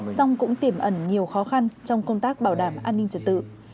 song cũng tiềm ẩn nhiều khó khăn trong công tác bảo đảm an ninh trật tự